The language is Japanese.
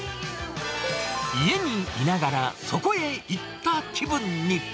家にいながら、そこへ行った気分に。